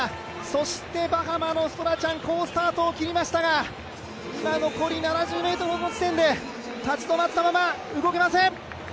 そしてバハマのストラチャン、好スタートを切りましたが、今残りの地点で立ち止まったまま動けません。